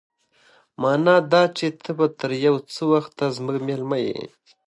مانا دا چې ته به تر يو څه وخته زموږ مېلمه يې.